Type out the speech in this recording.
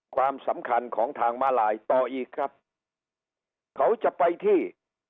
ความสำคัญของทางมาลายต่ออีกครับเขาจะไปที่